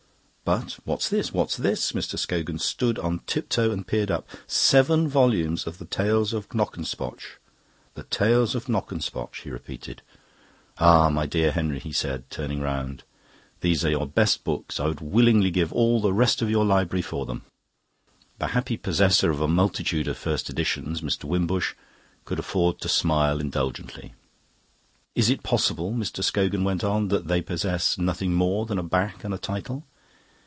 But what's this, what's this?" Mr. Scogan stood on tiptoe and peered up. "Seven volumes of the 'Tales of Knockespotch'. The 'Tales of Knockespotch'," he repeated. "Ah, my dear Henry," he said, turning round, "these are your best books. I would willingly give all the rest of your library for them." The happy possessor of a multitude of first editions, Mr. Wimbush could afford to smile indulgently. "Is it possible," Mr. Scogan went on, "that they possess nothing more than a back and a title?"